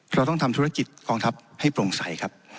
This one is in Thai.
เราต้องทำธุรกิจกองทัพให้โปร่งใสครับ